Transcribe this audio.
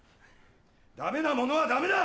ダメなものはダメだ！